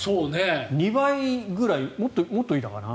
２倍ぐらい、もっといたかな？